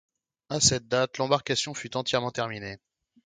À cette date, l’embarcation fut entièrement terminée.